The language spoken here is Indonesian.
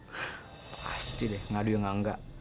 hah pasti deh ngadu ya nggak nggak